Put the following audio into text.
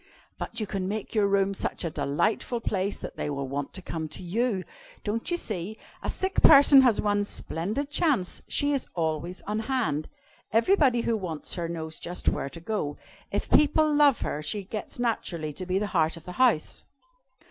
"But you can make your room such a delightful place, that they will want to come to you! Don't you see, a sick person has one splendid chance she is always on hand. Everybody who wants her knows just where to go. If people love her, she gets naturally to be the heart of the house.